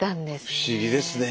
不思議ですね。